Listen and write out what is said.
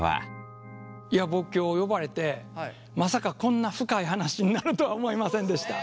いや僕今日呼ばれてまさかこんな深い話になるとは思いませんでした。